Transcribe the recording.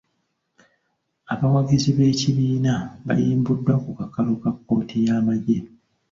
Abawagizi b’ekibiina bayimbuddwa ku kakalu ka kkooti y’amagye.